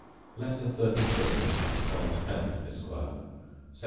Letter XXXVI To Thomas Pennant, Esquire Sept.